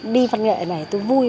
đi văn nghệ này tôi vui